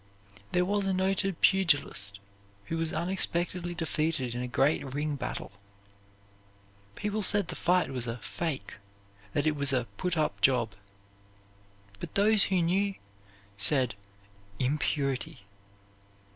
There was a noted pugilist who was unexpectedly defeated in a great ring battle. People said the fight was a "fake," that it was a "put up job." But those who knew said "impurity."